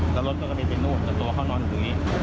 แต่รถก็ก็มีเป็นนู่นตัวเข้านอนอยู่ตรงนี้